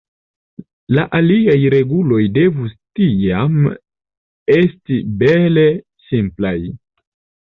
La aliaj reguloj devus tiam esti bele simplaj.